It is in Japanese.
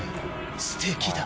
すてきだ。